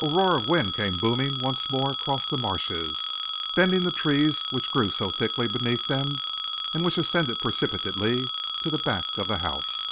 A roar of wind came booming once more across the marshes, bending the trees which grew so thickly beneath them and which ascended precipitately to the back of the house.